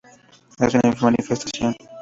Haz una manifestación